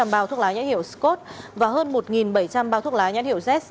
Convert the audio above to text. chín trăm linh bao thuốc lá nhãn hiệu scott và hơn một bảy trăm linh bao thuốc lá nhãn hiệu z